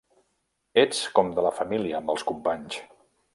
Ets com de la família amb els companys.